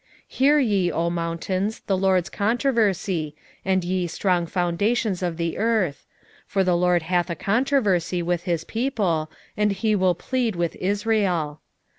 6:2 Hear ye, O mountains, the LORD's controversy, and ye strong foundations of the earth: for the LORD hath a controversy with his people, and he will plead with Israel.